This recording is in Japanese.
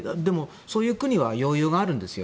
そういう国は余裕があるんですよ。